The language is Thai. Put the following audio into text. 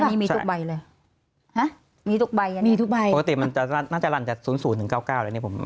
อันนี้มีทุกใบเลยมีทุกใบปกติมันน่าจะลันจาก๐๐ถึง๙๙เลย